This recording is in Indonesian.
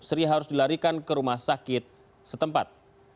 sri harus dilarikan ke rumah sakit setempat